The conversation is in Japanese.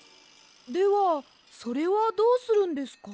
ではそれはどうするんですか？